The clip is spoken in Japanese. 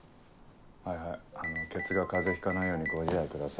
はいはいケツが風邪ひかないようにご自愛ください。